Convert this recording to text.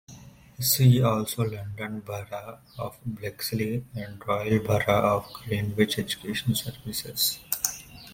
See also London Borough of Bexley and Royal Borough of Greenwich education services.